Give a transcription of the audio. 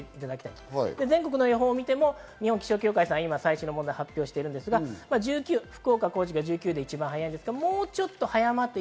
全国の予報を見ても、日本気象協会さん最新のもので発表していますが、福岡、高知が１９で早いです。